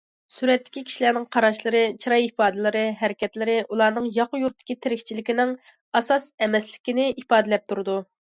سۈرەتتىكى كىشىلەرنىڭ قاراشلىرى، چىراي ئىپادىلىرى، ھەرىكەتلىرى ئۇلارنىڭ ياقا يۇرتتىكى تىرىكچىلىكىنىڭ ئاسان ئەمەسلىكىنى ئىپادىلەپ تۇرىدۇ.